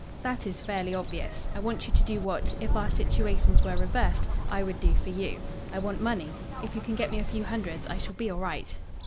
"That is fairly obvious. I want you to do what, if our situations were reversed, I would do for you. I want money. If you can get me a few hundreds I shall be all right."